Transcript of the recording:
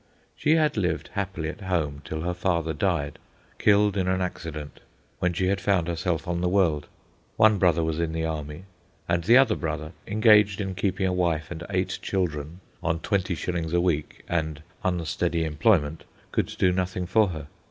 She had lived happily at home till her father died, killed in an accident, when she had found herself on the world. One brother was in the army, and the other brother, engaged in keeping a wife and eight children on twenty shillings a week and unsteady employment, could do nothing for her.